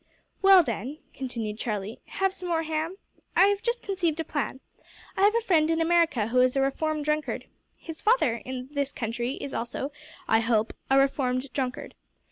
"Well, then," continued Charlie, "(have some more ham?) I have just conceived a plan. I have a friend in America who is a reformed drunkard. His father in this country is also, I hope, a reformed drunkard.